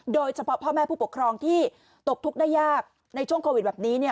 โดยเฉพาะพ่อแม่ผู้ปกครองที่ตกทุกข์ได้ยากในช่วงโควิดแบบนี้เนี่ย